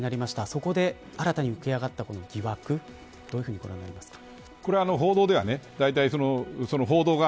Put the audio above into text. そこで、新たに浮き上がった疑惑どういうふうにご覧になりますか。